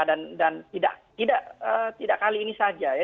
dan tidak kali ini saja ya